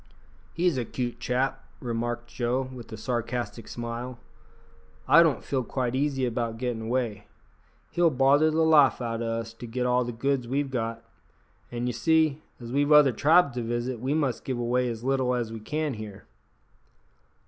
"He's a cute chap that," remarked Joe, with a sarcastic smile; "I don't feel quite easy about gettin' away. He'll bother the life out o' us to get all the goods we've got, and, ye see, as we've other tribes to visit, we must give away as little as we can here."